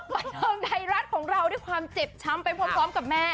บันเทิงไทยรัฐของเราด้วยความเจ็บช้ำไปพร้อมกับแม่